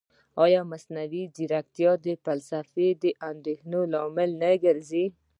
ایا مصنوعي ځیرکتیا د فلسفي اندېښنو لامل نه ګرځي؟